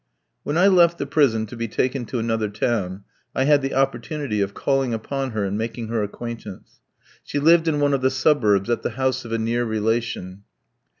When I left the prison to be taken to another town, I had the opportunity of calling upon her and making her acquaintance. She lived in one of the suburbs, at the house of a near relation.